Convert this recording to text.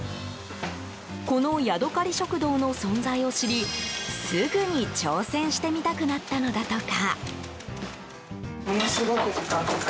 このヤドカリ食堂の存在を知りすぐに挑戦してみたくなったのだとか。